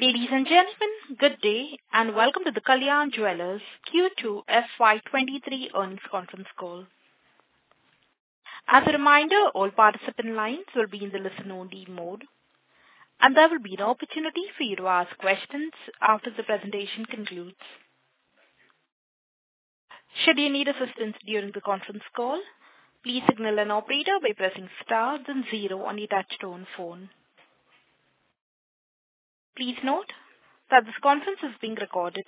Ladies and gentlemen, good day, and welcome to the Kalyan Jewellers Q2 FY 2023 earnings conference call. As a reminder, all participant lines will be in the listen-only mode, and there will be an opportunity for you to ask questions after the presentation concludes. Should you need assistance during the conference call, please signal an operator by pressing star then zero on your touchtone phone. Please note that this conference is being recorded.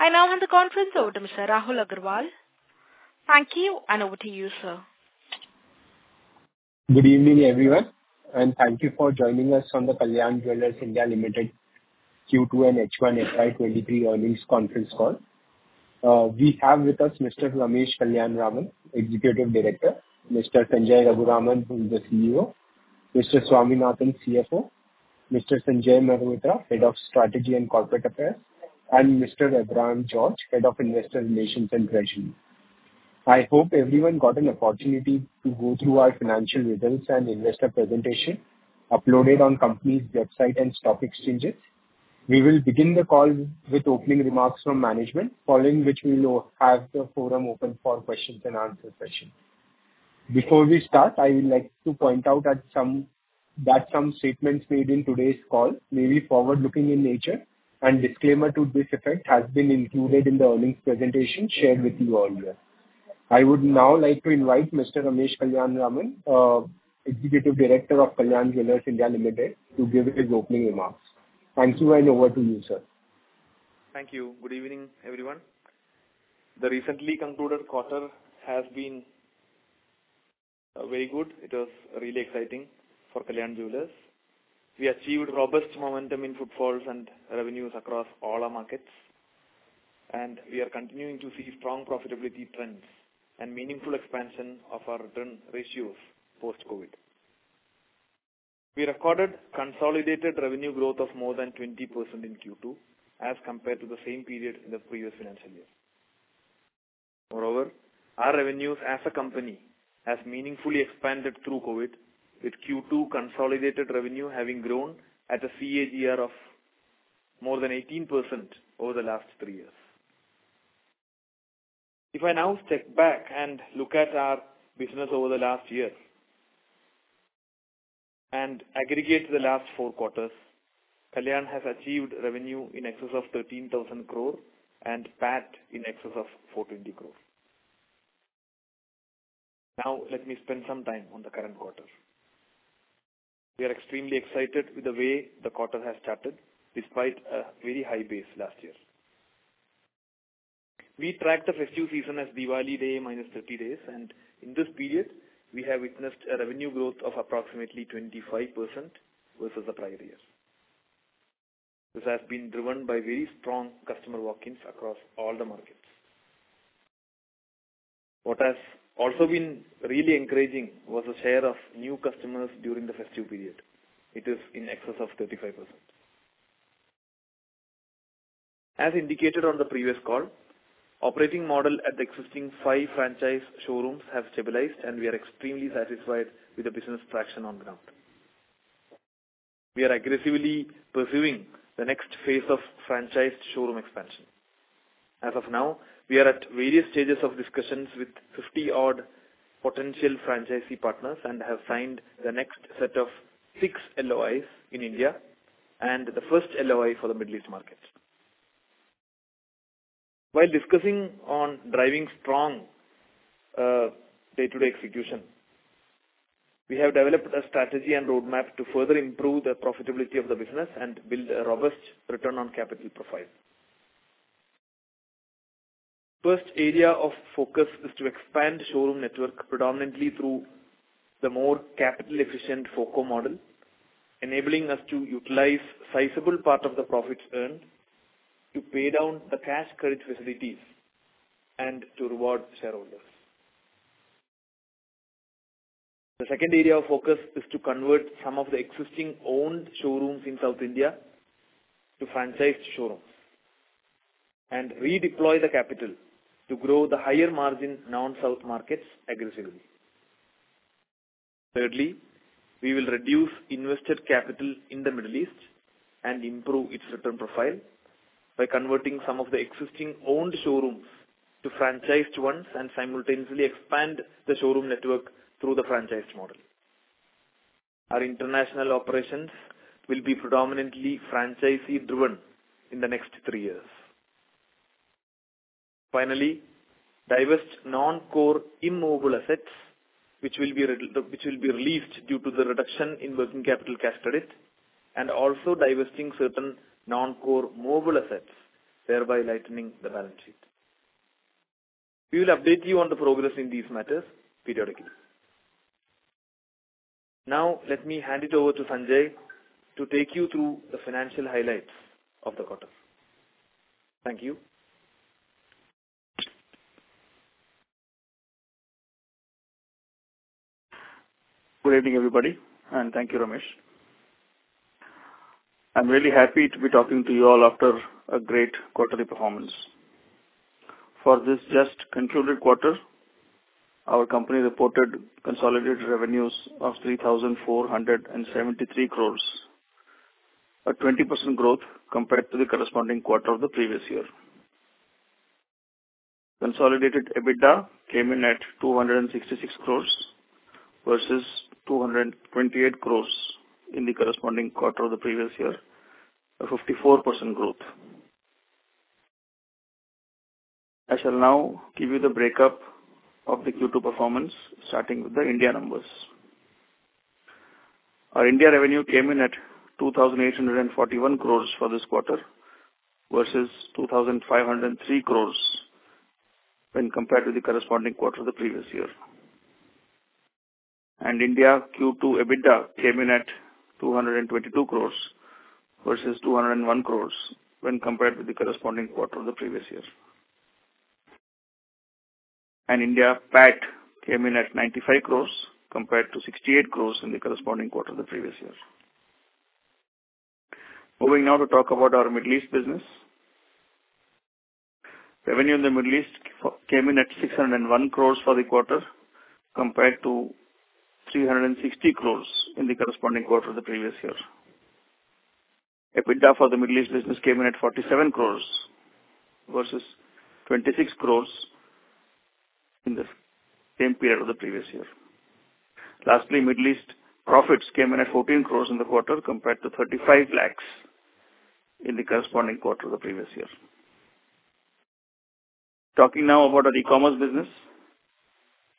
I now hand the conference over to Mr. Rahul Agarwal. Thank you, and over to you, sir. Good evening, everyone, and thank you for joining us on the Kalyan Jewellers India Limited Q2 and H1 FY 2023 earnings conference call. We have with us Mr. Ramesh Kalyanaraman, Executive Director, Mr. Sanjay Raghuraman, who is the CEO, Mr. Swaminathan, CFO, Mr. Sanjay Mehrotra, Head of Strategy and Corporate Affairs, and Mr. Abraham George, Head of Investor Relations and Treasury. I hope everyone got an opportunity to go through our financial results and investor presentation uploaded on company's website and stock exchanges. We will begin the call with opening remarks from management, following which we'll have the forum open for Q&A session. Before we start, I would like to point out that some statements made in today's call may be forward-looking in nature and disclaimer to this effect has been included in the earnings presentation shared with you earlier. I would now like to invite Mr. Ramesh Kalyanaraman, Executive Director of Kalyan Jewellers India Limited, to give his opening remarks. Thank you, and over to you, sir. Thank you. Good evening, everyone. The recently concluded quarter has been very good. It was really exciting for Kalyan Jewellers. We achieved robust momentum in footfalls and revenues across all our markets, and we are continuing to see strong profitability trends and meaningful expansion of our return ratios post-COVID. We recorded consolidated revenue growth of more than 20% in Q2 as compared to the same period in the previous financial year. Moreover, our revenues as a company has meaningfully expanded through COVID, with Q2 consolidated revenue having grown at a CAGR of more than 18% over the last three years. If I now step back and look at our business over the last year and aggregate the last four quarters, Kalyan has achieved revenue in excess of 13,000 crore and PAT in excess of 420 crore. Now let me spend some time on the current quarter. We are extremely excited with the way the quarter has started despite a very high base last year. We tracked the festive season as Diwali day minus 30 days, and in this period, we have witnessed a revenue growth of approximately 25% versus the prior year. This has been driven by very strong customer walk-ins across all the markets. What has also been really encouraging was the share of new customers during the festive period. It is in excess of 35%. As indicated on the previous call, operating model at the existing 5 franchise showrooms have stabilized, and we are extremely satisfied with the business traction on the ground. We are aggressively pursuing the next phase of franchised showroom expansion. As of now, we are at various stages of discussions with 50-odd potential franchisee partners and have signed the next set of six LOIs in India and the first LOI for the Middle East market. While discussing on driving strong, day-to-day execution, we have developed a strategy and roadmap to further improve the profitability of the business and build a robust return on capital profile. First area of focus is to expand showroom network predominantly through the more capital efficient FOCO model, enabling us to utilize sizable part of the profits earned to pay down the Cash Credit facilities and to reward shareholders. The second area of focus is to convert some of the existing owned showrooms in South India to franchised showrooms and redeploy the capital to grow the higher margin non-south markets aggressively. Thirdly, we will reduce invested capital in the Middle East and improve its return profile by converting some of the existing owned showrooms to franchised ones and simultaneously expand the showroom network through the franchised model. Our international operations will be predominantly franchisee-driven in the next three years. Finally, divest non-core immovable assets which will be released due to the reduction in working capital cash credit, and also divesting certain non-core movable assets, thereby lightening the balance sheet. We will update you on the progress in these matters periodically. Now let me hand it over to Sanjay to take you through the financial highlights of the quarter. Thank you. Good evening, everybody, and thank you, Ramesh. I'm really happy to be talking to you all after a great quarterly performance. For this just concluded quarter, our company reported consolidated revenues of 3,473 crores, a 20% growth compared to the corresponding quarter of the previous year. Consolidated EBITDA came in at 266 crores, versus 228 crores in the corresponding quarter of the previous year, a 54% growth. I shall now give you the breakup of the Q2 performance, starting with the India numbers. Our India revenue came in at 2,841 crores for this quarter, versus 2,503 crores when compared to the corresponding quarter of the previous year. India Q2 EBITDA came in at 222 crores, versus 201 crores when compared with the corresponding quarter of the previous year. India PAT came in at 95 crores compared to 68 crores in the corresponding quarter of the previous year. Moving now to talk about our Middle East business. Revenue in the Middle East came in at 601 crores for the quarter, compared to 360 crores in the corresponding quarter of the previous year. EBITDA for the Middle East business came in at 47 crores versus 26 crores in the same period of the previous year. Lastly, Middle East profits came in at 14 crores in the quarter compared to 35 lakhs in the corresponding quarter of the previous year. Talking now about our e-commerce business.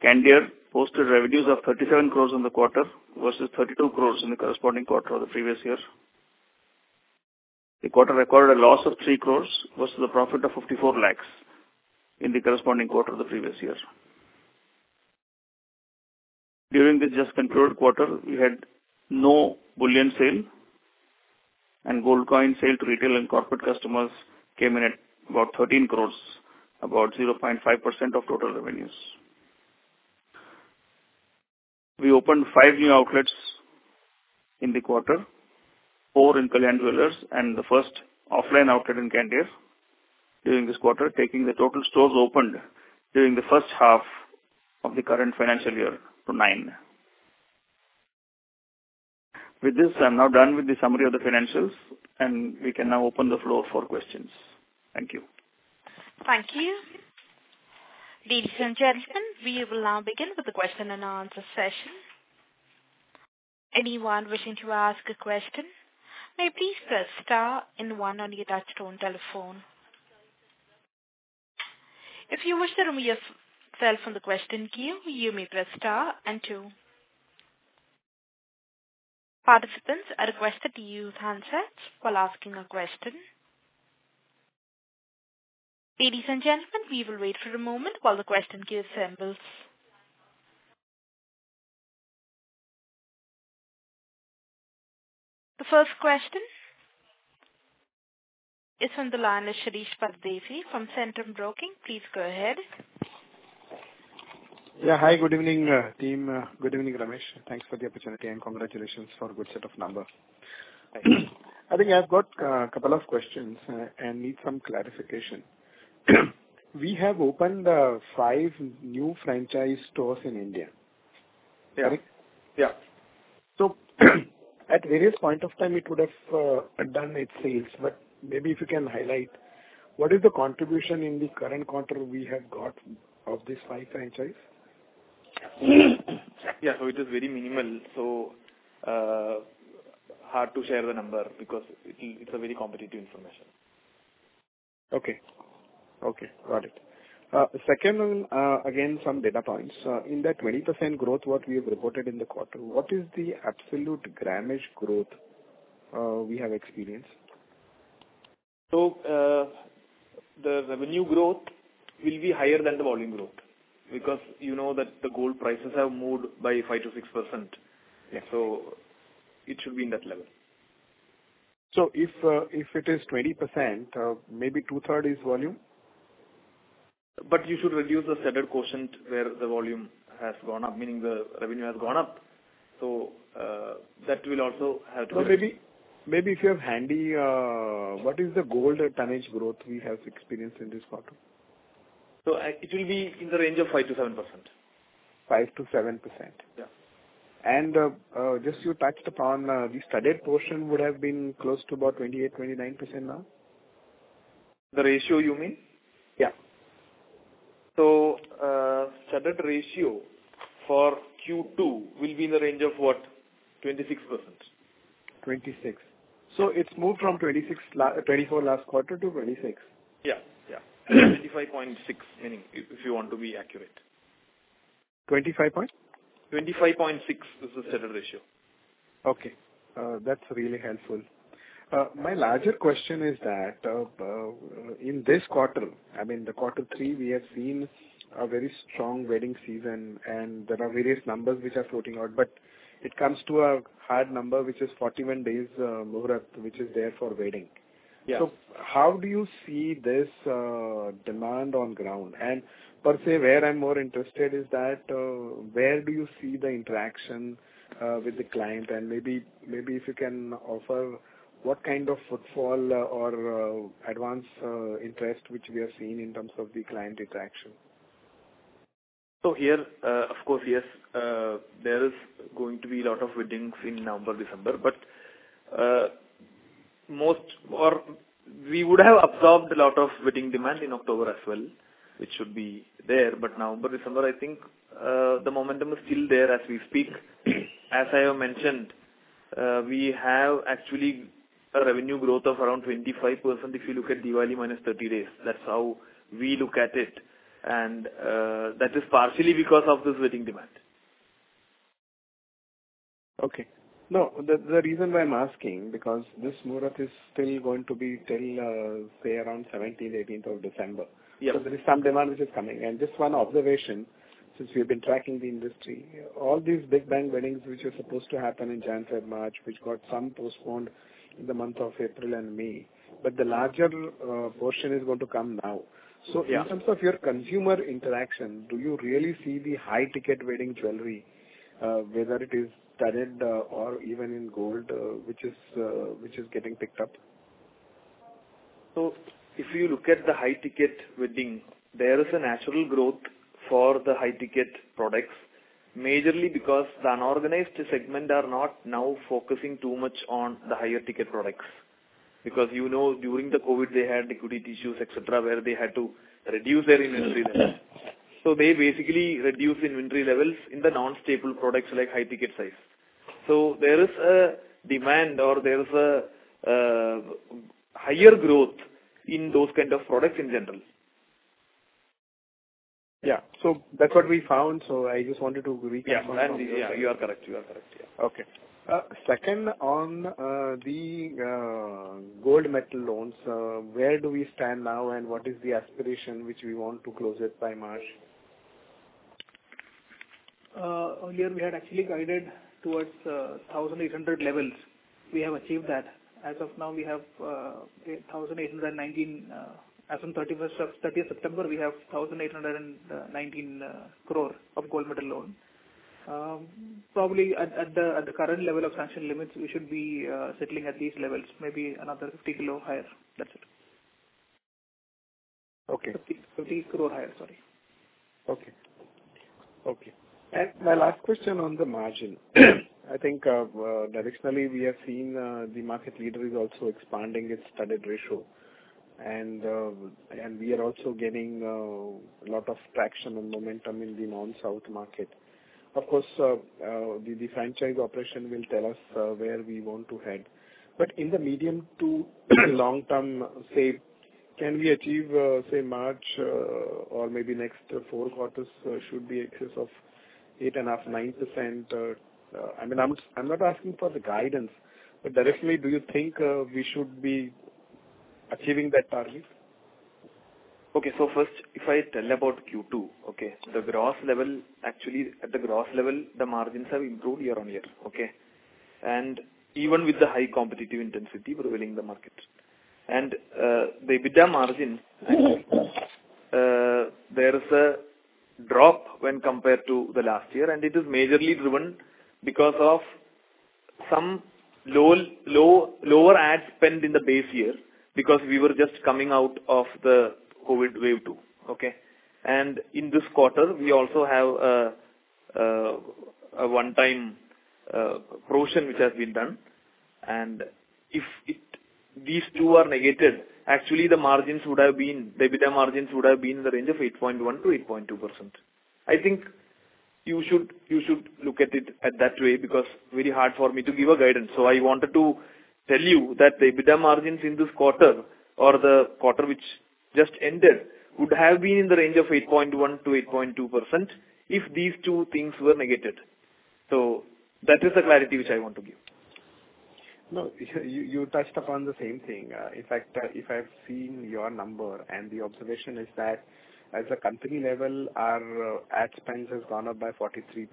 Candere posted revenues of 37 crores in the quarter versus 32 crores in the corresponding quarter of the previous year. The quarter recorded a loss of 3 crore versus a profit of 54 lakh in the corresponding quarter of the previous year. During the just concluded quarter, we had no bullion sale and gold coin sale to retail and corporate customers came in at about 13 crore, about 0.5% of total revenues. We opened five new outlets in the quarter, 4 in Kalyan Jewellers and the first offline outlet in Candere during this quarter, taking the total stores opened during the first half of the current financial year to nine. With this, I'm now done with the summary of the financials, and we can now open the floor for questions. Thank you. Thank you. Ladies and gentlemen, we will now begin with the question and answer session. Anyone wishing to ask a question, may please press star and one on your touchtone telephone. If you wish to remove yourself from the question queue, you may press star and two. Participants are requested to use handsets while asking a question. Ladies and gentlemen, we will wait for a moment while the question queue assembles. The first question is on the line, Shirish Pardeshi from Centrum Broking. Please go ahead. Hi. Good evening, team. Good evening, Ramesh. Thanks for the opportunity and congratulations for a good set of numbers. I think I've got a couple of questions and need some clarification. We have opened five new franchise stores in India. Yeah. Right? Yeah. At various points of time it would have done its sales, but maybe if you can highlight what is the contribution in the current quarter we have got of these five franchises? Yeah. It is very minimal, so hard to share the number because it's a very competitive information. Okay, got it. Second, again, some data points. In that 20% growth what we have reported in the quarter, what is the absolute grammage growth we have experienced? The revenue growth will be higher than the volume growth because you know that the gold prices have moved by 5%-6%. Yeah. It should be in that level. If it is 20%, maybe 2/3 is volume? You should reduce the studded ratio where the volume has gone up, meaning the revenue has gone up. That will also have to- No, maybe if you have handy, what is the gold tonnage growth we have experienced in this quarter? It will be in the range of 5%-7%. 5%-7%. Yeah. Just, you touched upon the studded portion would have been close to about 28%-29% now? The ratio you mean? Yeah. Studded ratio for Q2 will be in the range of what? 26%. 26%. It's moved from 24% last quarter to 26%. Yeah. 25.6%, meaning, if you want to be accurate. 25 point? 25.6 is the studded ratio. Okay. That's really helpful. My larger question is that, in this quarter, I mean, the quarter three, we have seen a very strong wedding season, and there are various numbers which are floating out, but it comes to a hard number, which is 41 days, Muhurat, which is there for wedding. Yeah. How do you see this demand on ground? Per se, where I'm more interested is that, where do you see the interaction with the client? Maybe if you can offer what kind of footfall or advance interest which we are seeing in terms of the client interaction. Here, of course, yes, there is going to be a lot of weddings in November, December, but most or we would have absorbed a lot of wedding demand in October as well, which should be there. November, December, I think, the momentum is still there as we speak. As I have mentioned, we have actually a revenue growth of around 25% if you look at Diwali minus 30 days. That's how we look at it. That is partially because of this wedding demand. Okay. No, the reason why I'm asking because this Muhurat is still going to be till, say, around seventeenth, eighteenth of December. Yes. There is some demand which is coming. Just one observation, since we have been tracking the industry, all these big bang weddings which were supposed to happen in January, March, which got somewhat postponed in the month of April and May, but the larger portion is going to come now. Yeah. In terms of your consumer interaction, do you really see the high ticket wedding jewelry, whether it is studded or even in gold, which is getting picked up? If you look at the high ticket wedding, there is a natural growth for the high ticket products, majorly because the unorganized segment are not now focusing too much on the higher ticket products. Because, you know, during the COVID, they had liquidity issues, et cetera, where they had to reduce their inventory levels. They basically reduced inventory levels in the non-staple products like high ticket size. There is a demand or there is a higher growth in those kind of products in general. Yeah. That's what we found. I just wanted to recap on those. Yeah. You are correct. Yeah. Okay. Second, on the Gold Metal Loans, where do we stand now and what is the aspiration which we want to close it by March? Earlier we had actually guided towards 1,800 levels. We have achieved that. As of now, we have 1,819, as on 30th September, we have 1,819 crore of Gold Metal Loan. Probably at the current level of sanction limits, we should be settling at these levels, maybe another 50 kg higher. That's it. Okay. INR 50 crore higher. Sorry. My last question on the margin. I think, directionally, we have seen the market leader is also expanding its studded ratio. We are also getting a lot of traction and momentum in the non-South market. Of course, the franchise operation will tell us where we want to head. In the medium to long term, say, can we achieve, say March, or maybe next four quarters, should be in excess of 8.5%-9%? I mean, I'm not asking for the guidance, but directionally, do you think we should be achieving that target? Okay. First, if I tell about Q2, okay, the gross level. Actually, at the gross level, the margins have improved year-on-year, okay? Even with the high competitive intensity prevailing the market. The EBITDA margin there is a drop when compared to the last year, and it is majorly driven because of some lower ad spend in the base year, because we were just coming out of the COVID wave two. Okay. In this quarter, we also have a one-time promotion which has been done. If these two are negated, actually the margins would have been, the EBITDA margins would have been in the range of 8.1%-8.2%. I think you should look at it that way because very hard for me to give a guidance. I wanted to tell you that the EBITDA margins in this quarter or the quarter which just ended would have been in the range of 8.1%-8.2% if these two things were negated. That is the clarity which I want to give. No, you touched upon the same thing. In fact, if I've seen your number and the observation is that at the company level, our ad spends has gone up by 43%,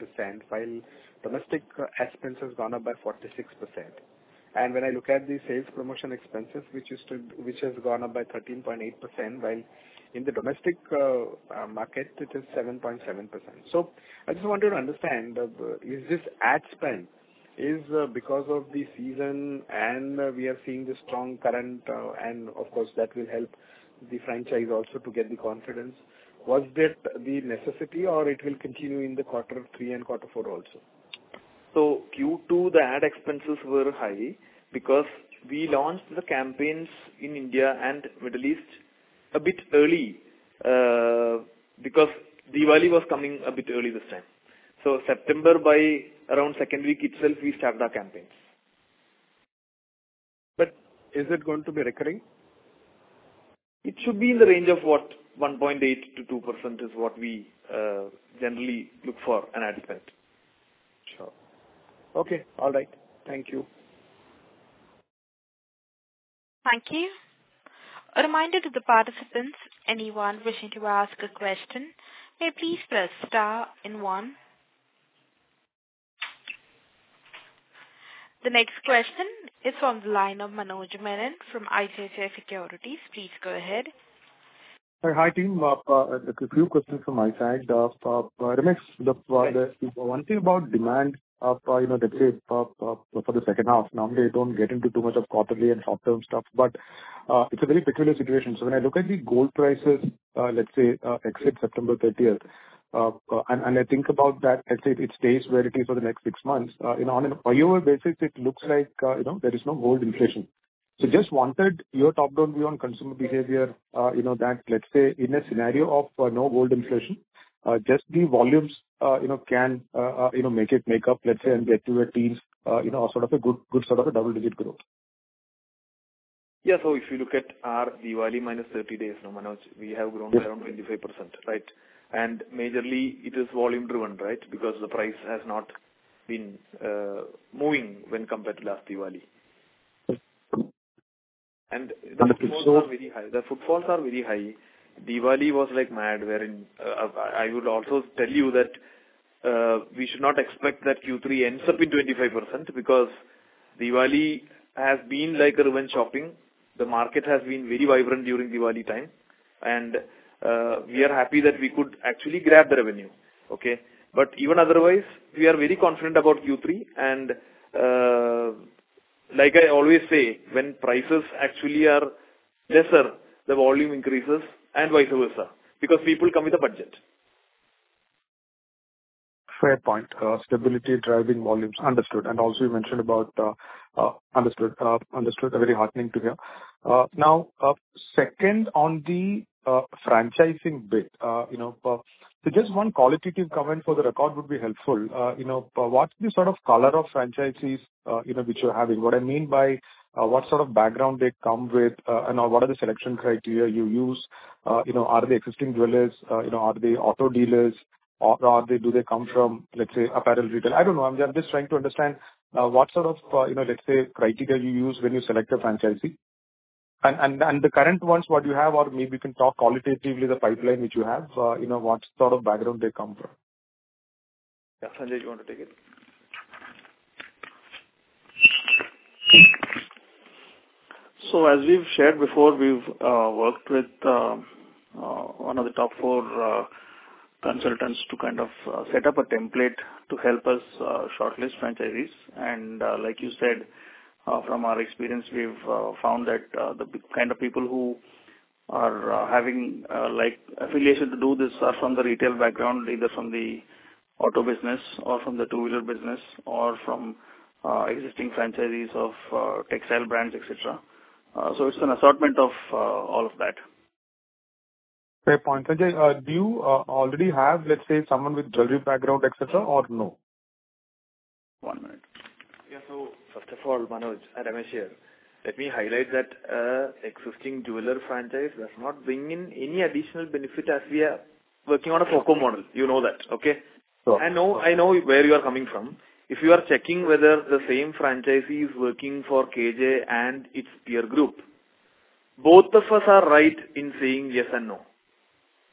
while domestic ad spends has gone up by 46%. When I look at the sales promotion expenses, which has gone up by 13.8%, while in the domestic market, it is 7.7%. I just wanted to understand, is this ad spend because of the season and we are seeing the strong current, and of course that will help the franchise also to get the confidence. Was that the necessity or it will continue in the quarter three and quarter four also? Q2, the ad expenses were high because we launched the campaigns in India and Middle East a bit early, because Diwali was coming a bit early this time. September by around second week itself we started our campaigns. Is it going to be recurring? It should be in the range of what 1.8%-2% is what we generally look for in ad spend. Sure. Okay. All right. Thank you. Thank you. A reminder to the participants, anyone wishing to ask a question may please press star and one. The next question is on the line of Manoj Menon from ICICI Securities. Please go ahead. Sir, hi, team. A few questions from my side. Ramesh, the one thing about demand, you know, that is for the second half. Normally I don't get into too much of quarterly and short-term stuff, but it's a very peculiar situation. When I look at the gold prices, let's say exit September thirtieth, and I think about that, let's say it stays where it is for the next six months, you know, on a YoY basis, it looks like, you know, there is no gold inflation. Just wanted your top-down view on consumer behavior, you know, that let's say in a scenario of no gold inflation, just the volumes, you know, can you know make it make up, let's say, and get to your team's you know sort of a good sort of a double-digit growth. Yeah. If you look at our Diwali minus 30 days, no, Manoj, we have grown around- Yes. 25%, right? Majorly it is volume driven, right? Because the price has not been moving when compared to last Diwali. Okay. The footfalls are very high. Diwali was like mad, wherein, I would also tell you that, we should not expect that Q3 ends up in 25% because Diwali has been like a revenge shopping. The market has been very vibrant during Diwali time and, we are happy that we could actually grab the revenue. Okay. Even otherwise, we are very confident about Q3 and, like I always say, when prices actually are lesser, the volume increases and vice versa, because people come with a budget. Fair point. Stability driving volumes. Understood. Very heartening to hear. Now, second on the franchising bit. You know, so just one qualitative comment for the record would be helpful. You know, what's the sort of color of franchisees, you know, which you're having? What I mean by, what sort of background they come with, and what are the selection criteria you use? You know, are they existing jewelers? You know, are they auto dealers or do they come from, let's say, apparel retail? I don't know. I'm just trying to understand, what sort of, you know, let's say criteria you use when you select a franchisee. The current ones, what you have, or maybe you can talk qualitatively the pipeline which you have, you know, what sort of background they come from. Yeah. Sanjay, do you want to take it? As we've shared before, we've worked with one of the top four consultants to kind of set up a template to help us shortlist franchisees. Like you said, from our experience, we've found that the kind of people who are having like affiliations to do this are from the retail background, either from the auto business or from the two-wheeler business or from existing franchisees of textile brands, etc. It's an assortment of all of that. Fair point. Sanjay, do you already have, let's say, someone with jewelry background, etc., or no? One minute. Yeah. First of all, Manoj, Ramesh Kalyanaraman here. Let me highlight that existing jeweler franchise does not bring in any additional benefit as we are working on a FOCO model. You know that. Okay? Sure. I know, I know where you are coming from. If you are checking whether the same franchisee is working for KJ and its peer group, both of us are right in saying yes and no.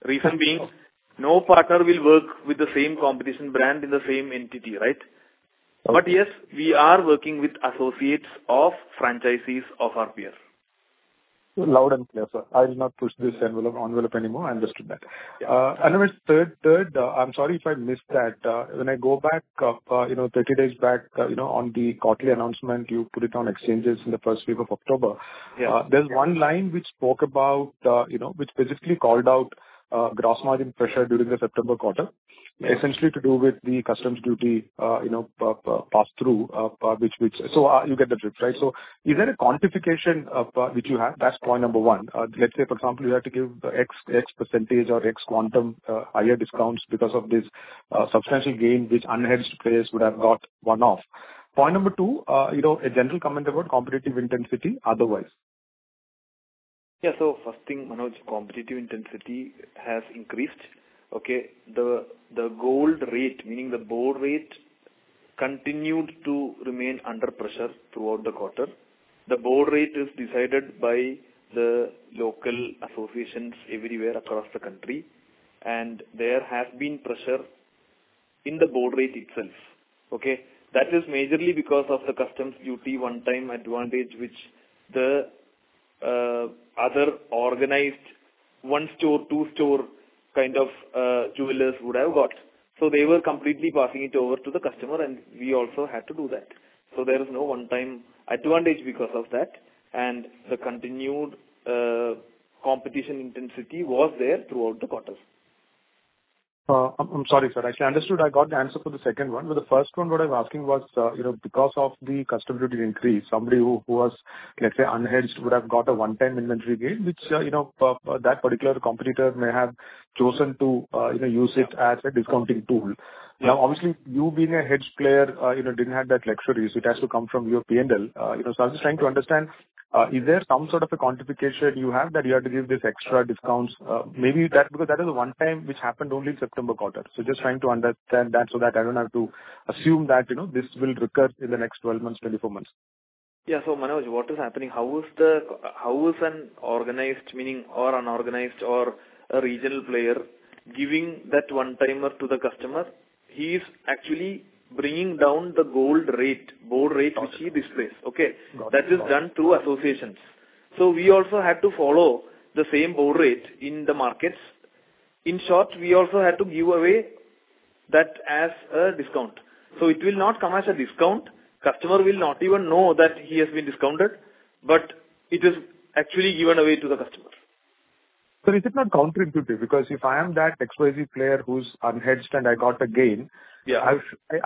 Reason being, no partner will work with the same competition brand in the same entity, right? Yes, we are working with associates of franchisees of our peers. Loud and clear, sir. I will not push this envelope anymore. I understood that. Yeah. Ramesh Kalyanaraman, third, I'm sorry if I missed that. When I go back, you know, 30 days back, you know, on the quarterly announcement, you put it on exchanges in the first week of October. Yeah. There's one line which spoke about, you know, which specifically called out gross margin pressure during the September quarter. Yeah. Essentially to do with the customs duty, you know, pass-through, which you get the drift, right? Is there a quantification which you have? That's point number one. Let's say for example, you had to give X percentage or X quantum higher discounts because of this substantial gain which unhedged players would have got one-off. Point number two, you know, a general comment about competitive intensity otherwise. Yeah. First thing, Manoj, competitive intensity has increased. Okay? The gold rate, meaning the board rate, continued to remain under pressure throughout the quarter. The board rate is decided by the local associations everywhere across the country, and there has been pressure in the board rate itself. Okay? That is majorly because of the customs duty one-time advantage which the other organized one-store, two-store kind of jewelers would have got. They were completely passing it over to the customer, and we also had to do that. There is no one-time advantage because of that. The continued competitive intensity was there throughout the quarters. I'm sorry, sir. I actually understood. I got the answer for the second one. The first one, what I was asking was, you know, because of the customs duty increase, somebody who was, let's say, unhedged would have got a one-time inventory gain, which, you know, that particular competitor may have chosen to, you know, use it as a discounting tool. Yeah. Now, obviously, you being a hedged player, you know, didn't have that luxuries. It has to come from your P&L. You know, I was just trying to understand, is there some sort of a quantification you have that you had to give this extra discounts? Maybe that because that is a one time which happened only September quarter. Just trying to understand that so that I don't have to assume that, you know, this will recur in the next 12 months, 24 months. Yeah. Manoj, what is happening? How is an organized, meaning or unorganized or a regional player giving that one-timer to the customer. He is actually bringing down the gold rate, gold rate which he displays. Okay? Got it. That is done through associations. We also had to follow the same gold rate in the markets. In short, we also had to give away that as a discount. It will not come as a discount. Customer will not even know that he has been discounted, but it is actually given away to the customer. Is it not counterintuitive? Because if I am that XYZ player who's unhedged and I got the gain- Yeah.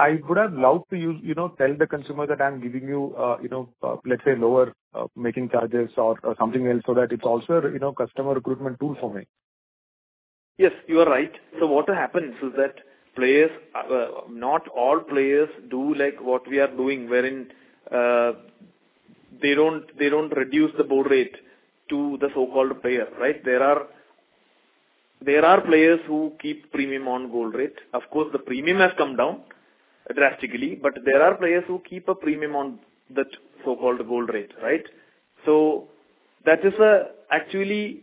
I would have loved to use, you know, tell the consumer that I'm giving you know, let's say lower making charges or something else so that it's also, you know, customer recruitment tool for me. Yes, you are right. What happens is that players, not all players do like what we are doing, wherein, they don't reduce the gold rate to the so-called plain rate, right? There are players who keep premium on gold rate. Of course, the premium has come down drastically, but there are players who keep a premium on that so-called gold rate, right? That is actually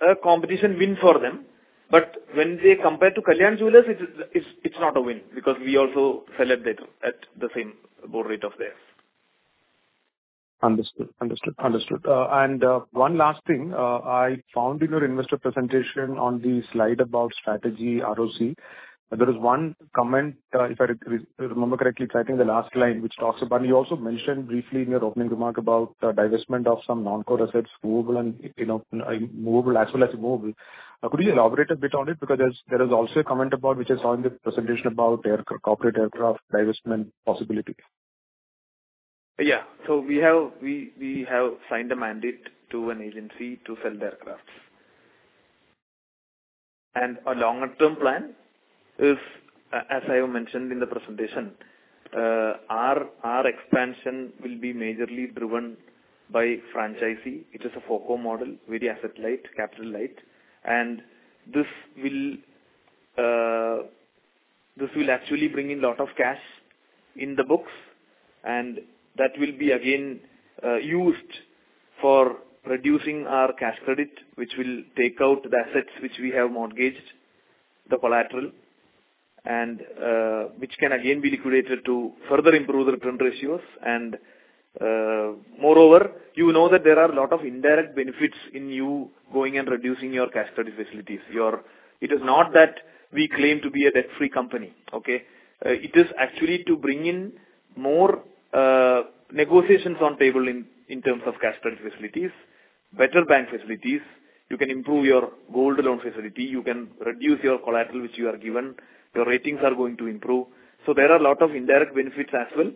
a competition win for them. When they compare to Kalyan Jewellers, it's not a win because we also sell at that, at the same gold rate of theirs. Understood. One last thing. I found in your investor presentation on the slide about strategy ROC, there is one comment, if I remember correctly, it's I think the last line which talks about. You also mentioned briefly in your opening remark about the divestment of some non-core assets, movable and, you know, immovable as well as movable. Could you elaborate a bit on it? Because there is also a comment about, which I saw in the presentation about aircraft, corporate aircraft divestment possibility. Yeah. We have signed a mandate to an agency to sell the aircraft. Our longer term plan is, as I mentioned in the presentation, our expansion will be majorly driven by franchisee. It is a FOCO model, very asset light, capital light. This will actually bring in lot of cash in the books, and that will be again used for reducing our Cash Credit, which will take out the assets which we have mortgaged, the collateral, and which can again be liquidated to further improve the return ratios. Moreover, you know that there are a lot of indirect benefits in you going and reducing your cash credit facilities. It is not that we claim to be a debt-free company. Okay. It is actually to bring in more negotiations on table in terms of cash credit facilities, better bank facilities. You can improve your gold loan facility. You can reduce your collateral which you are given. Your ratings are going to improve. There are a lot of indirect benefits as well.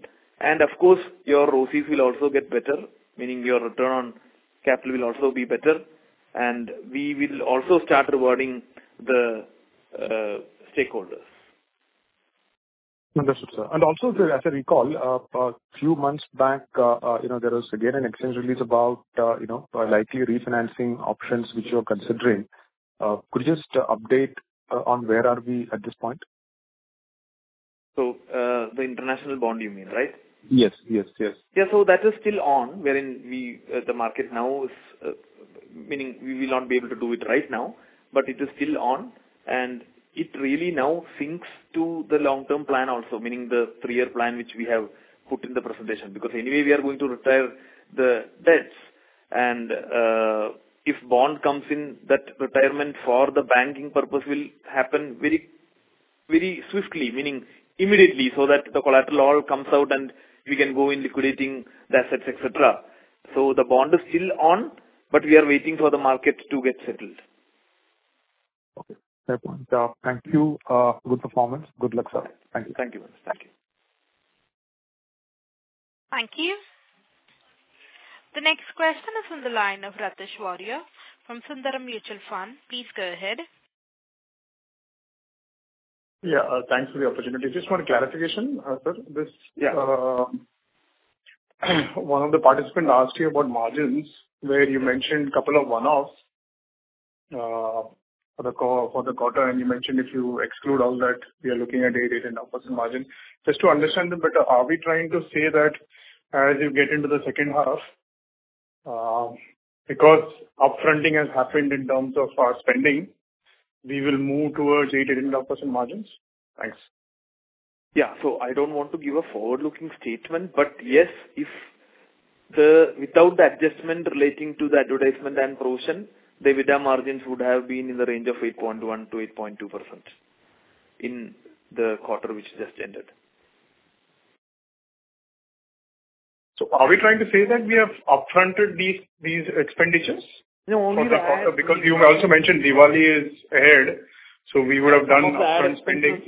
Of course your ROCEs will also get better, meaning your return on capital will also be better. We will also start rewarding the stakeholders. Understood, sir. As I recall, a few months back, you know, there was again an exchange release about, you know, likely refinancing options which you're considering. Could you just update on where are we at this point? The international bond you mean, right? Yes. Yeah. That is still on wherein we, the market now is, meaning we will not be able to do it right now, but it is still on, and it really now syncs to the long-term plan also, meaning the three-year plan which we have put in the presentation. Because anyway we are going to retire the debts and, if bond comes in, that retirement for the banking purpose will happen very, very swiftly, meaning immediately, so that the collateral all comes out and we can go in liquidating the assets, et cetera. The bond is still on, but we are waiting for the market to get settled. Okay. Fair point. Thank you. Good performance. Good luck, sir. Thank you. Thank you. Thank you. Thank you. The next question is on the line of Ratish Varier from Sundaram Mutual Fund. Please go ahead. Yeah. Thanks for the opportunity. Just one clarification, sir. Yeah. One of the participants asked you about margins, where you mentioned couple of one-offs for the quarter, and you mentioned if you exclude all that, we are looking at 8.8% margin. Just to understand them better, are we trying to say that as you get into the second half, because up-fronting has happened in terms of our spending, we will move towards 8.8% margins? Thanks. I don't want to give a forward-looking statement. Yes, without the adjustment relating to the advertisement and provision, the EBITDA margins would have been in the range of 8.1%-8.2% in the quarter which just ended. Are we trying to say that we have up-fronted these expenditures? No, only the ad- Because you also mentioned Diwali is ahead, so we would have done up-front spending.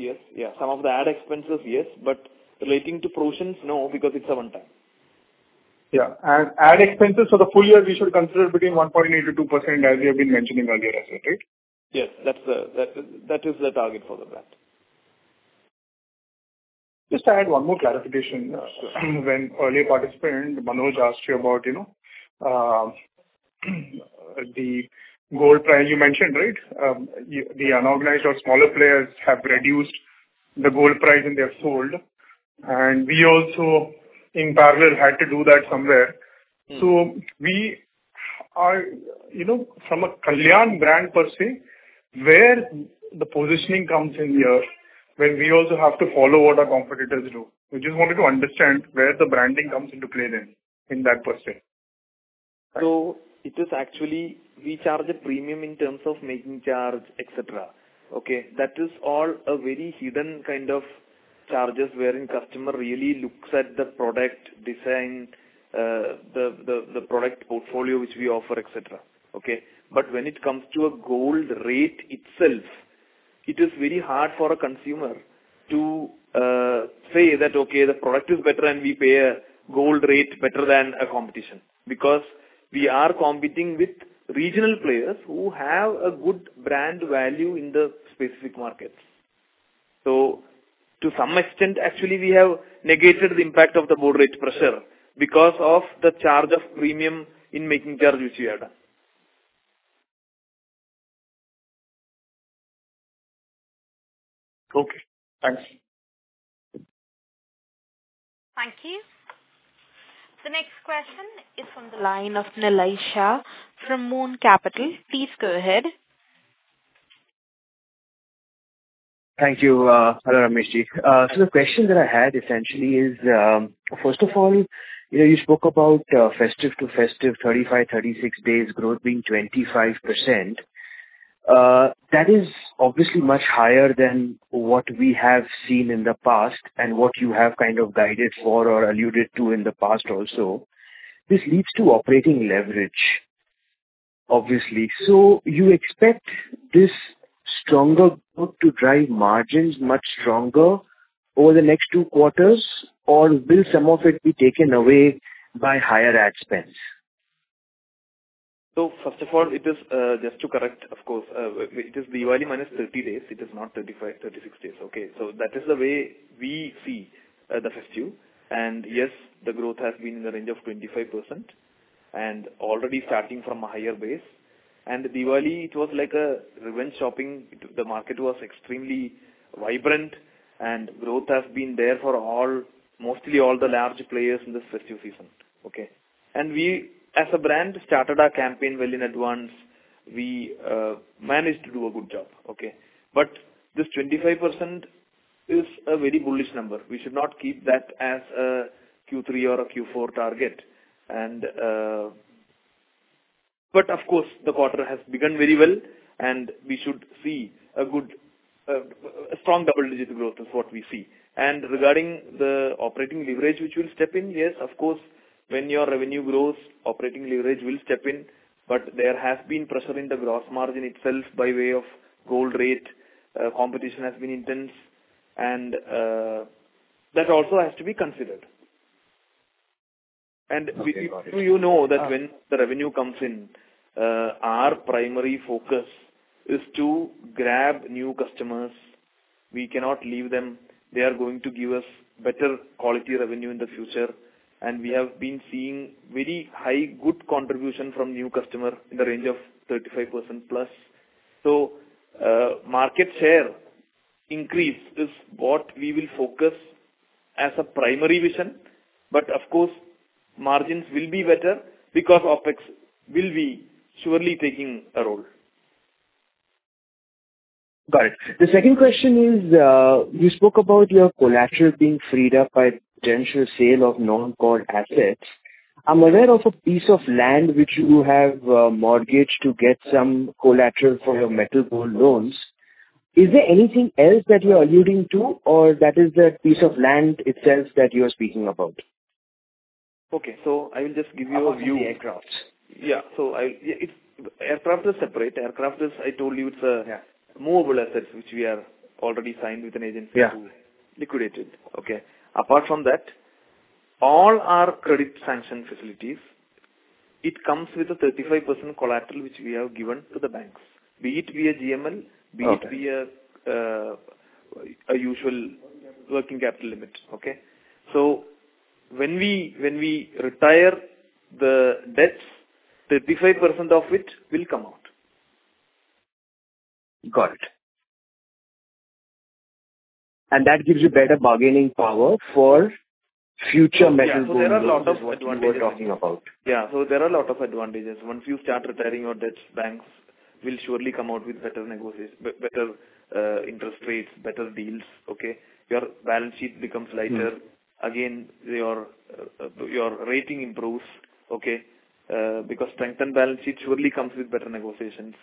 Some of the ad expenses, yes. Relating to provisions, no, because it's a one-time. Yeah. Ad expenses for the full year, we should consider between 1.8%-2%, as we have been mentioning earlier as well, right? Yes. That is the target for that. Just to add one more clarification. Sure. When earlier participant, Manoj, asked you about, you know, the gold price you mentioned, right? The unorganized or smaller players have reduced the gold price and they have sold. We also in parallel had to do that somewhere. Mm. We, you know, from a Kalyan brand per se, where the positioning comes in here when we also have to follow what our competitors do. We just wanted to understand where the branding comes into play then in that perspective. It is actually we charge a premium in terms of making charge, etc. Okay, that is all a very hidden kind of charges wherein customer really looks at the product design, the product portfolio which we offer, etc. Okay. When it comes to a gold rate itself, it is very hard for a consumer to say that, okay, the product is better and we pay a gold rate better than a competition because we are competing with regional players who have a good brand value in the specific markets. To some extent, actually we have negated the impact of the gold rate pressure because of the charge of premium in making charge which we had. Okay, thanks. Thank you. The next question is from the line of Nilay Shah from Moon Capital. Please go ahead. Thank you. Hello, Ramesh ji. The question that I had essentially is, first of all, you know, you spoke about, festive to festive 35-36 days growth being 25%. That is obviously much higher than what we have seen in the past and what you have kind of guided for or alluded to in the past also. This leads to operating leverage, obviously. You expect this stronger growth to drive margins much stronger over the next two quarters? Or will some of it be taken away by higher ad spends? First of all, it is just to correct, of course, it is Diwali minus 30 days. It is not 35, 36 days. Okay. That is the way we see the festive. Yes, the growth has been in the range of 25% and already starting from a higher base. Diwali, it was like a revenge shopping. The market was extremely vibrant and growth has been there for all, mostly all the large players in this festive season. Okay. We as a brand started our campaign well in advance. We managed to do a good job. Okay. This 25% is a very bullish number. We should not keep that as a Q3 or a Q4 target. Of course the quarter has begun very well and we should see a good, a strong double-digit growth is what we see. Regarding the operating leverage which will step in, yes, of course, when your revenue grows, operating leverage will step in. There has been pressure in the gross margin itself by way of gold rate. Competition has been intense and that also has to be considered. Okay, got it. You know that when the revenue comes in, our primary focus is to grab new customers. We cannot leave them. They are going to give us better quality revenue in the future. We have been seeing very high good contribution from new customer in the range of 35%+. Market share increase is what we will focus as a primary vision. Of course margins will be better because OpEx will be surely taking a role. Got it. The second question is, you spoke about your collateral being freed up by potential sale of non-core assets. I'm aware of a piece of land which you have, mortgaged to get some collateral for your gold metal loans. Is there anything else that you're alluding to, or that is the piece of land itself that you are speaking about? Okay. I will just give you a view. Apart from the aircraft. Yeah. Yeah, it's aircraft is separate. I told you it's a. Yeah. movable assets which we have already signed with an agency. Yeah. to liquidate it. Okay? Apart from that, all our credit sanction facilities, it comes with a 35% collateral, which we have given to the banks, be it via GML. Okay. be it via a usual working capital limit. Okay? When we retire the debts, 35% of it will come out. Got it. That gives you better bargaining power for future gold metal loans. Yeah. There are a lot of advantages. is what you are talking about. Yeah. There are a lot of advantages. Once you start retiring your debts, banks will surely come out with better interest rates, better deals. Okay? Your balance sheet becomes lighter. Mm. Again, your rating improves. Okay? Because strengthened balance sheet surely comes with better negotiations.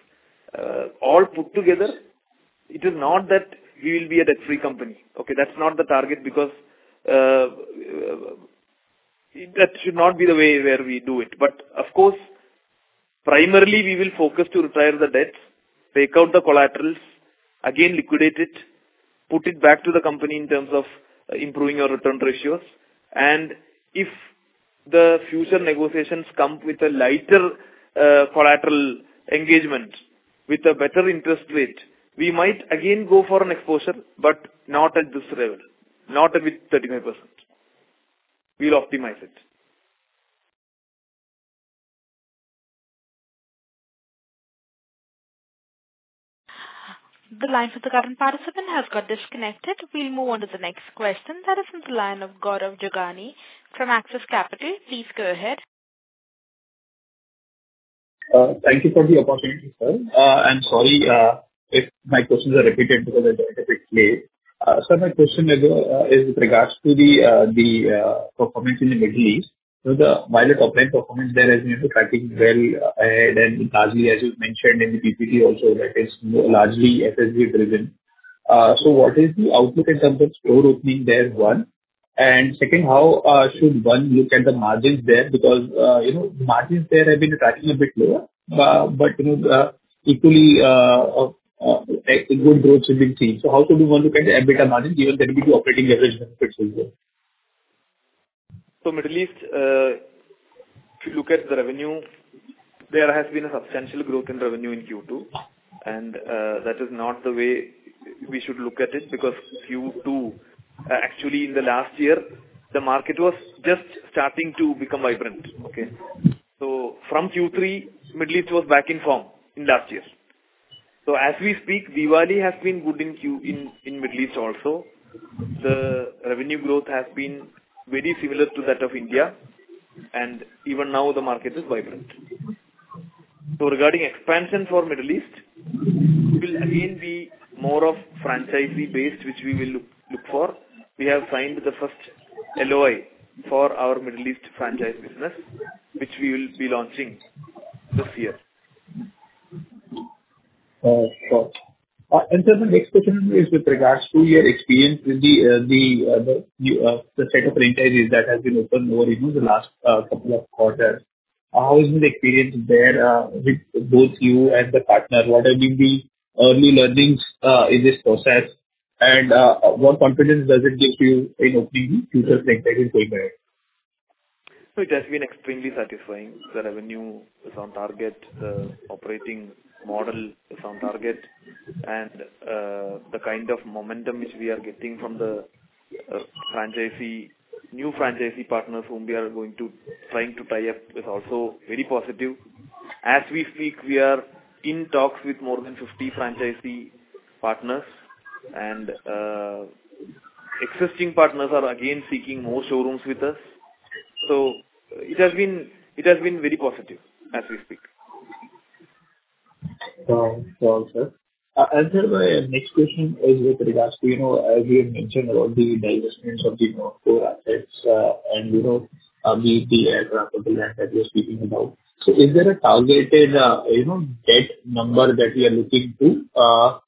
All put together, it is not that we will be a debt-free company. Okay? That's not the target because that should not be the way where we do it. Of course, primarily we will focus to retire the debts, take out the collaterals, again liquidate it, put it back to the company in terms of improving our return ratios. If the future negotiations come with a lighter collateral engagement with a better interest rate, we might again go for an exposure, but not at this level, not with 35%. We'll optimize it. The line for the current participant has got disconnected. We'll move on to the next question. That is from the line of Gaurav Jogani from Axis Capital. Please go ahead. Thank you for the opportunity, sir. I'm sorry if my questions are repeated because my question is with regards to the performance in the Middle East. While the top-line performance there has been tracking well and largely, as you mentioned in the PPT also that is largely SSG driven, what is the outlook in terms of store opening there, one. And second, how should one look at the margins there? Because you know, margins there have been tracking a bit lower, but you know, equally good growth has been seen. How should we look at the EBITDA margin given that will be the operating leverage benefits also? Middle East, if you look at the revenue, there has been a substantial growth in revenue in Q2. That is not the way we should look at it, because Q2 actually, in the last year, the market was just starting to become vibrant. Okay? From Q3, Middle East was back in form in last year. As we speak, Diwali has been good in Middle East also. The revenue growth has been very similar to that of India, and even now the market is vibrant. Regarding expansion for Middle East, it will again be more of franchisee-based, which we will look for. We have signed the first LOI for our Middle East franchise business, which we will be launching this year. Sure. Sir, my next question is with regards to your experience with the set of franchisees that has been opened over, you know, the last couple of quarters. How has been the experience there, with both you and the partner? What have been the early learnings in this process? What confidence does it give you in opening future franchises going ahead? It has been extremely satisfying. The revenue is on target, the operating model is on target. The kind of momentum which we are getting from the franchisee, new franchisee partners whom we are trying to tie up is also very positive. As we speak, we are in talks with more than 50 franchisee partners and existing partners are again seeking more showrooms with us. It has been very positive as we speak. Sure, sir. Sir, my next question is with regards to, you know, as you had mentioned about the divestments of the non-core assets, and, you know, the land or couple land that you're speaking about. Is there a targeted, you know, debt number that we are looking to,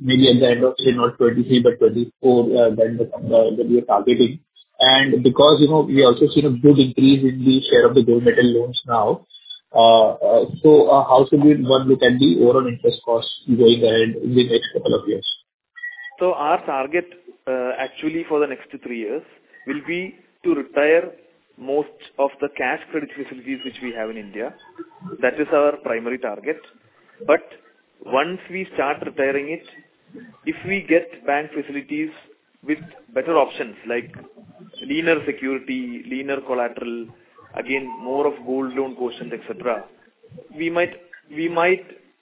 maybe at the end of, say, not 2023 but 2024, when we are targeting? Because, you know, we also seen a good increase in the share of the Gold Metal Loans now, so how should one look at the overall interest costs going ahead in the next couple of years? Our target, actually, for the next three years will be to retire most of the Cash Credit facilities which we have in India. That is our primary target. Once we start retiring it, if we get bank facilities with better options like leaner security, leaner collateral, again, more of gold loan portions, et cetera, we might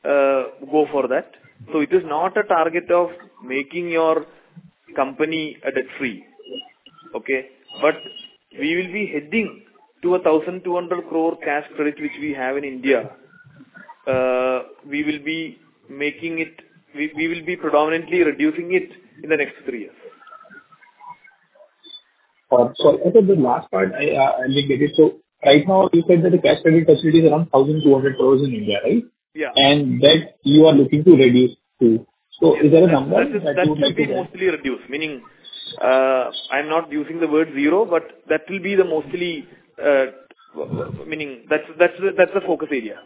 go for that. It is not a target of making your company debt-free. We will be heading to 1,200 crore Cash Credit which we have in India. We will be predominantly reducing it in the next three years. Sure. Okay, the last part I didn't get it. Right now you said that the cash credit facility is around 1,200 crores in India, right? Yeah. That you are looking to reduce too. Is there a number? That will be mostly reduced. Meaning, I'm not using the word zero, but that will be mostly, meaning that's the focus area.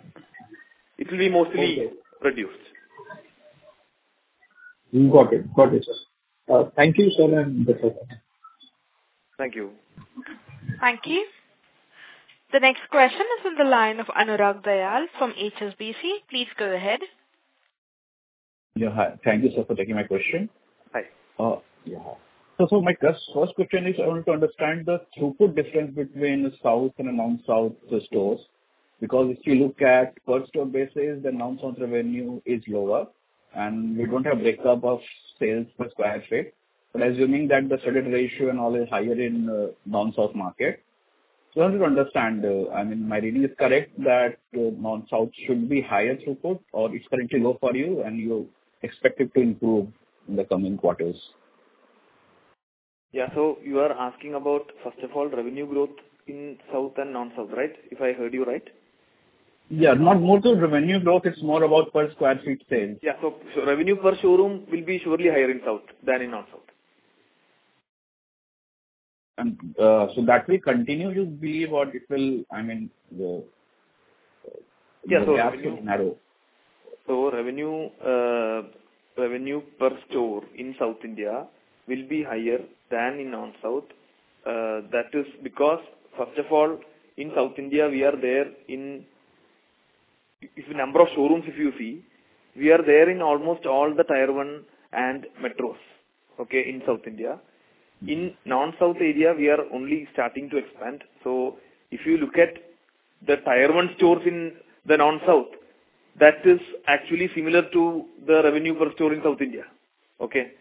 It will be mostly. Okay. -reduced. Got it. Got it, sir. Thank you, sir. That's all. Thank you. Thank you. The next question is on the line of Anurag Dayal from HSBC. Please go ahead. Yeah. Hi. Thank you, sir, for taking my question. Hi. My first question is I want to understand the throughput difference between South and a non-South stores. Because if you look at per store basis, the non-South revenue is lower and we don't have break up of sales per square feet. But assuming that the selling ratio and all is higher in non-South market, just want to understand, I mean, my reading is correct that non-South should be higher throughput or it's currently low for you and you expect it to improve in the coming quarters. Yeah. You are asking about, first of all, revenue growth in South and non-South, right? If I heard you right. Yeah. Not more so revenue growth, it's more about per square feet sales. Revenue per showroom will be surely higher in South than in non-South. that will continue to be what it will, I mean. Yeah. Revenue. The gap will narrow. Revenue per store in South India will be higher than in non-South. That is because first of all, in South India we are there. If the number of showrooms you see, we are there in almost all the Tier 1 and metros, okay, in South India. In non-South area, we are only starting to expand. If you look at the Tier 1 stores in the non-South, that is actually similar to the revenue per store in South India. Okay.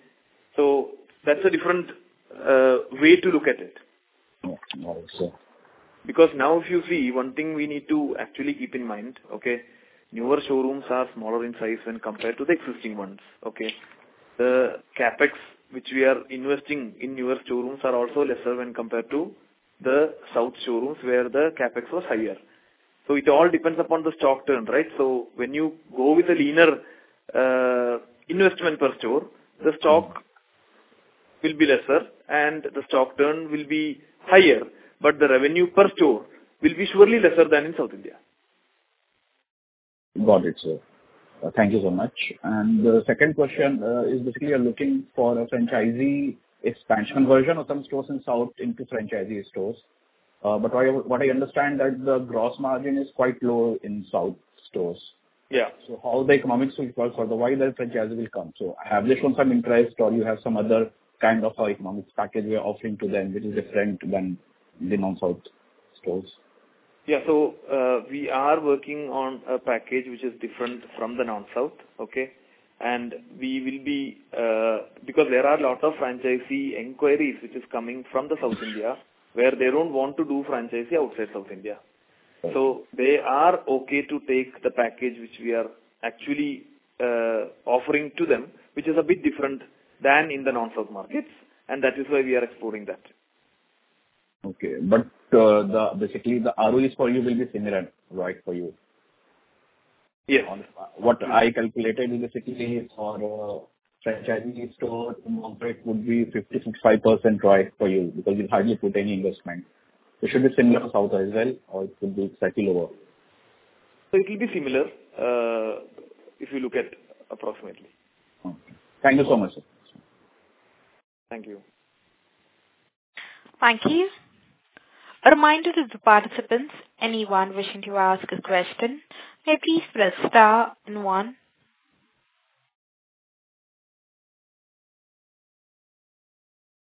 That's a different way to look at it. Okay. Got it, sir. Because now if you see, one thing we need to actually keep in mind, okay, newer showrooms are smaller in size when compared to the existing ones, okay? The CapEx which we are investing in newer showrooms are also lesser when compared to the South showrooms, where the CapEx was higher. It all depends upon the stock turn, right? When you go with a leaner, investment per store, the stock will be lesser and the stock turn will be higher, but the revenue per store will be surely lesser than in South India. Got it, sir. Thank you so much. The second question is basically you are looking for a franchisee conversion of some stores in South into franchisee stores. But what I understand that the gross margin is quite low in South stores. Yeah. How the economics will work for the franchisee will come. Have they shown some interest or you have some other kind of like margin package you are offering to them which is different when the non-South stores? Yeah. We are working on a package which is different from the non-south. Okay? We will be because there are a lot of franchisee inquiries which is coming from the South India where they don't want to do franchisee outside South India. Right. They are okay to take the package which we are actually offering to them, which is a bit different than in the non-south markets, and that is why we are exploring that. Basically the ROEs for you will be similar, right, for you? Yeah. What I calculated basically for a franchisee store in Mumbai would be 50%-65% right for you because you hardly put any investment. It should be similar for South as well, or it could be slightly lower. It will be similar, if you look at approximately. Okay. Thank you so much, sir. Thank you. Thank you. A reminder to the participants, anyone wishing to ask a question, may please press star and one.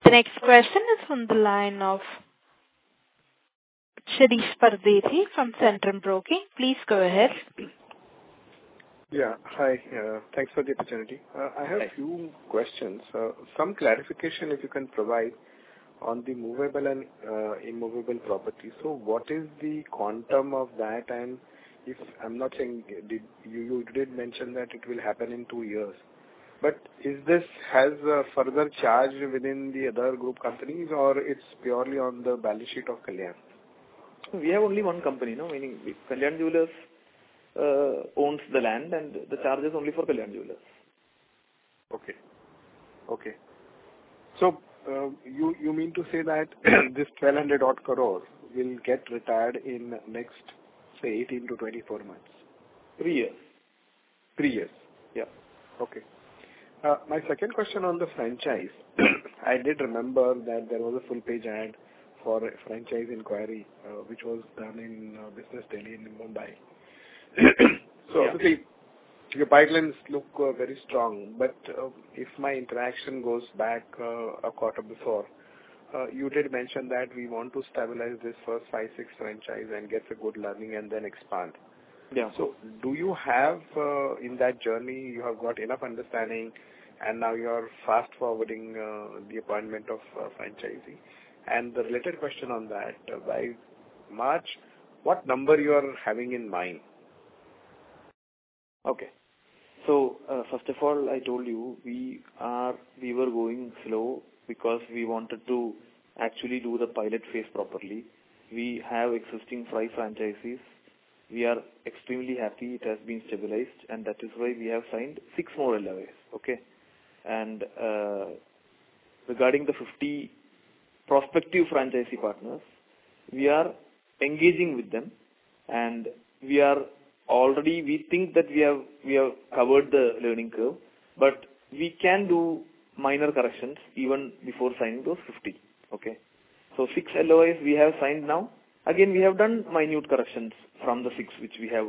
The next question is from the line of Shirish Pardeshi from Centrum Broking. Please go ahead. Yeah. Hi. Thanks for the opportunity. Hi. I have a few questions. Some clarification if you can provide on the movable and immovable property. What is the quantum of that? You did mention that it will happen in two years. Is this has a further charge within the other group companies or it's purely on the balance sheet of Kalyan? We have only one company, no. Meaning, Kalyan Jewellers owns the land and the charge is only for Kalyan Jewellers. Okay, you mean to say that this 1,200-odd crore will get retired in next, say, 18-24 months? Three years. Three years? Yeah. Okay. My second question on the franchise. I did remember that there was a full page ad for a franchise inquiry, which was done in Business Today in Mumbai. Yeah. Basically, your pipelines look very strong. If my interaction goes back a quarter before, you did mention that we want to stabilize this first five-six franchise and get a good learning and then expand. Yeah. Do you have, in that journey, you have got enough understanding and now you are fast-forwarding, the appointment of, franchisee? And the related question on that, by March, what number you are having in mind? Okay. First of all, I told you we were going slow because we wanted to actually do the pilot phase properly. We have existing five franchisees. We are extremely happy it has been stabilized and that is why we have signed six more LOAs. Okay. Regarding the 50 prospective franchisee partners, we are engaging with them and we are already. We think that we have covered the learning curve, but we can do minor corrections even before signing those 50. Okay. Six LOAs we have signed now. Again, we have done minor corrections from the six which we have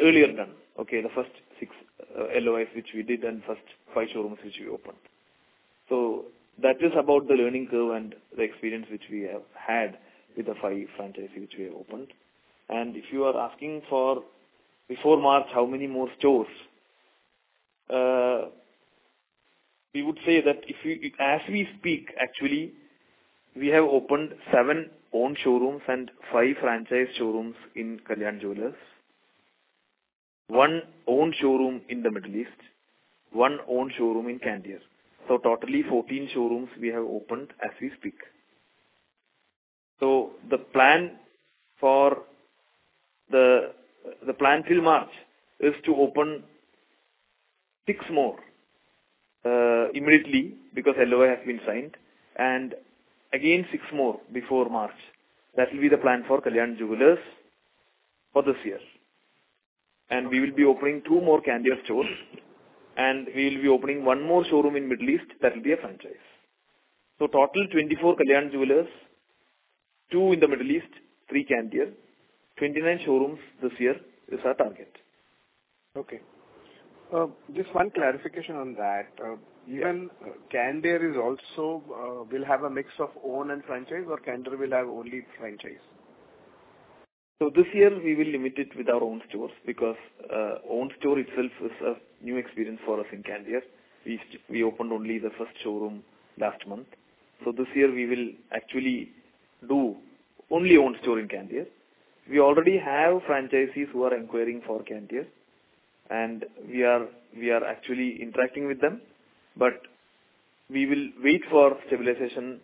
earlier done. Okay. The first six LOAs which we did and first five showrooms which we opened. That is about the learning curve and the experience which we have had with the five franchisees which we have opened. If you are asking for before March, how many more stores, we would say that as we speak, actually, we have opened seven own showrooms and five franchise showrooms in Kalyan Jewellers. One own showroom in the Middle East, one own showroom in Candere. Totally 14 showrooms we have opened as we speak. The plan till March is to open six more immediately because LOI has been signed, and again six more before March. That will be the plan for Kalyan Jewellers for this year. We will be opening two more Candere stores, and we will be opening one more showroom in the Middle East that will be a franchise. Total 24 Kalyan Jewellers, two in the Middle East, three Candere, 29 showrooms this year is our target. Okay. Just one clarification on that. Even Candere is also will have a mix of own and franchise, or Candere will have only franchise? This year we will limit it with our own stores because own store itself is a new experience for us in Candere. We opened only the first showroom last month. This year we will actually do only own store in Candere. We already have franchisees who are inquiring for Candere, and we are actually interacting with them, but we will wait for stabilization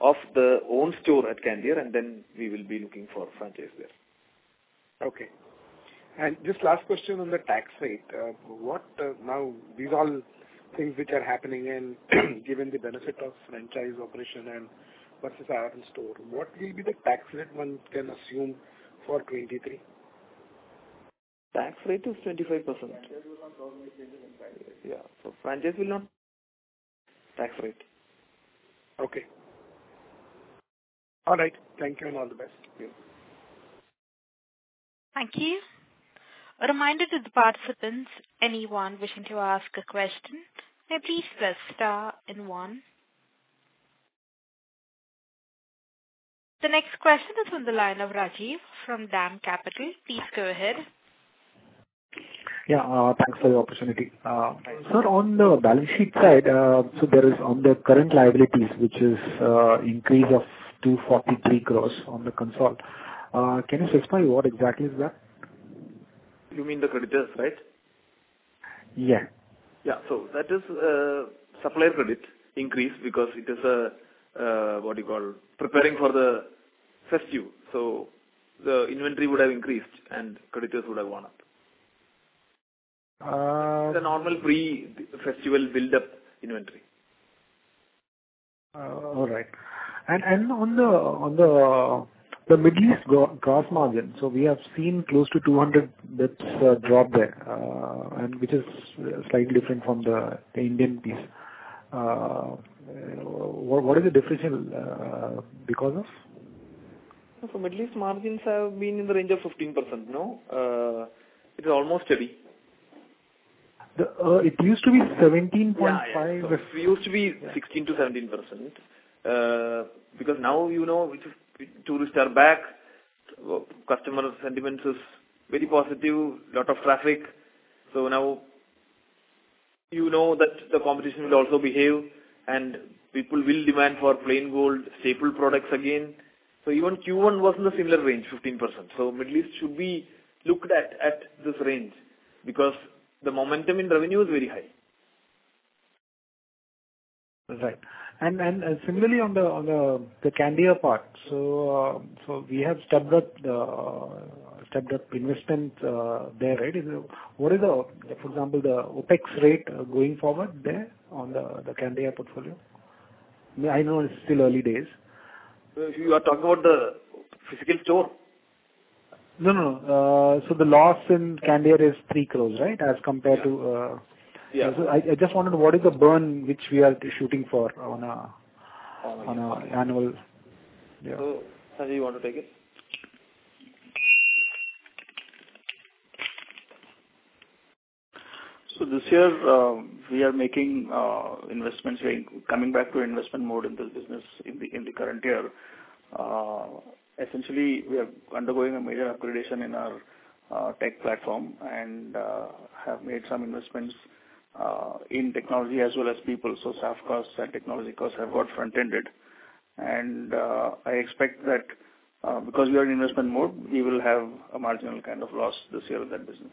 of the own store at Candere, and then we will be looking for franchise there. Okay. Just last question on the tax rate. Now these all things which are happening and given the benefit of franchise operation and versus our own store, what will be the tax rate one can assume for 2023? Tax rate is 25%. Yeah. Okay. All right. Thank you and all the best. Yeah. Thank you. A reminder to the participants, anyone wishing to ask a question, may please press star and one. The next question is on the line of Rajiv from DAM Capital. Please go ahead. Yeah. Thanks for the opportunity. On the balance sheet side, there is on the current liabilities, which is increase of 243 crores on the consolidated. Can you specify what exactly is that? You mean the creditors, right? Yeah. Yeah. That is supplier credit increase because it is what do you call preparing for the festive. The inventory would have increased and creditors would have gone up. Uh- The normal pre-festival build-up inventory. All right. On the Middle East gross margin, so we have seen close to 200 basis drop there, and which is slightly different from the Indian piece. What is the differential because of? From Middle East margins have been in the range of 15%. No, it's almost steady. It used to be 17.5. Yeah, yeah. It used to be 16%-17%. Because now, you know, tourists are back, customer sentiments is very positive, lot of traffic. Now you know that the competition will also behave and people will demand for plain gold staple products again. Even Q1 was in a similar range, 15%. Middle East should be looked at this range because the momentum in revenue is very high. Right. Similarly on the Candere part. We have stepped up the investment there, right? What is, for example, the OpEx rate going forward there on the Candere portfolio? I know it's still early days. You are talking about the physical store? No, no. The loss in Candere is 3 crore, right? As compared to, Yeah. I just wondered what is the burn which we are shooting for on an annual, yeah. Sanjay, you want to take it? This year, we are making investments here. Coming back to investment mode in this business in the current year. Essentially we are undergoing a major upgradation in our tech platform and have made some investments in technology as well as people. Staff costs and technology costs have got front-ended. I expect that because we are in investment mode, we will have a marginal kind of loss this year in that business.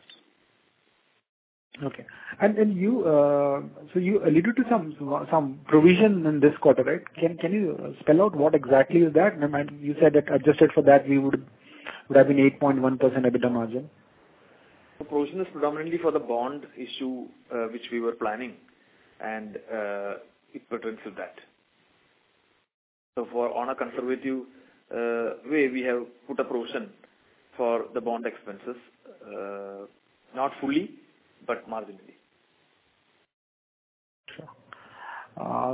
Okay. Then you so you alluded to some provision in this quarter, right? Can you spell out what exactly is that? You said that adjusted for that we would have been 8.1% EBITDA margin. Provision is predominantly for the bond issue, which we were planning, and it pertains to that. In a conservative way we have put a provision for the bond expenses, not fully, but marginally. Sure.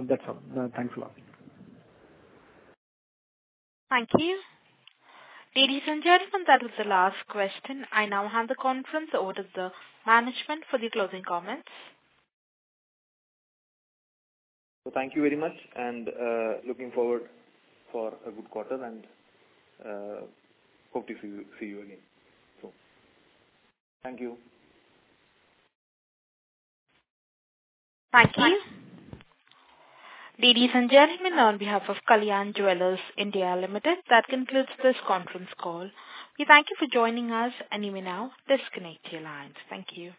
That's all. Thanks a lot. Thank you. Ladies and gentlemen, that is the last question. I now hand the conference over to the management for the closing comments. Thank you very much and looking forward for a good quarter and hope to see you again. Thank you. Thank you. Ladies and gentlemen, on behalf of Kalyan Jewellers India Limited, that concludes this conference call. We thank you for joining us and you may now disconnect your lines. Thank you.